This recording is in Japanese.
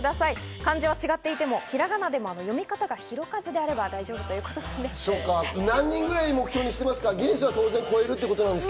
漢字が違っていても、ひらがなでも読み方が「ひろかず」であればいいということです。